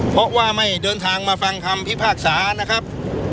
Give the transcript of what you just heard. เพราะว่าไม่เดินทางมาฟังคำพิพากษานะครับ